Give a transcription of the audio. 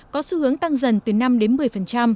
có xu hướng tăng dần từ năm đến một mươi